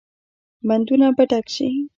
بندونه به ډک شي؟